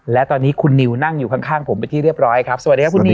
และตอนนี้คุณนิวนั่งอยู่ข้างผมเป็นที่เรียบร้อยครับสวัสดีครับคุณนิว